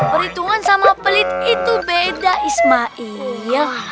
perhitungan sama pelit itu beda ismail